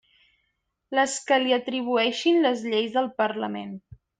Les que li atribueixin les lleis del Parlament.